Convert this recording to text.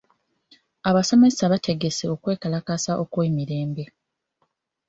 Abasomesa baategese okwekalakaasa okw'emirembe.